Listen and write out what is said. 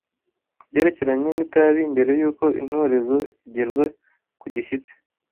ku byerekeranye n’itabi mbere y’uko intorezo igerwa ku gishyitsi.